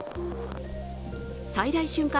最大瞬間